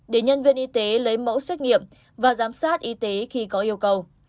để nhân viên y tế lấy mẫu xét nghiệm và giám sát y tế khi có yêu cầu